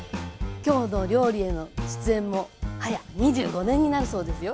「きょうの料理」への出演も早２５年になるそうですよ。